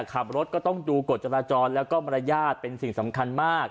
ขับรถก็ต้องดูกฎจราจรแล้วก็มารยาทเป็นสิ่งสำคัญมาก